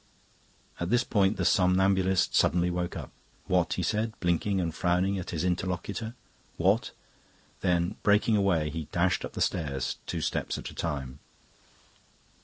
At this point the somnambulist suddenly woke up. "What?" he said, blinking and frowning at his interlocutor. "What?" Then breaking away he dashed up the stairs, two steps at a time.